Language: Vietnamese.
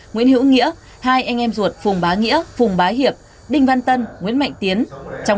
nguyễn hữu nghĩa hai anh em ruột phùng bá nghĩa phùng bá hiệp đinh văn tân nguyễn mạnh tiến